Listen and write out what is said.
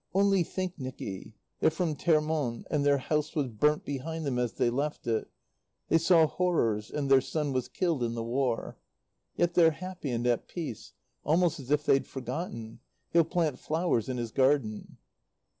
"Only think, Nicky. They're from Termonde, and their house was burnt behind them as they left it. They saw horrors, and their son was killed in the War. "Yet they're happy and at peace. Almost as if they'd forgotten. He'll plant flowers in his garden."